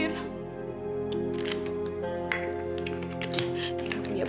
dia langsung keascal